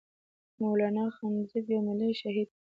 مولانا خانزيب يو ملي شهيد دی